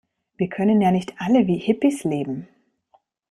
Wir können ja nicht alle wie Hippies leben.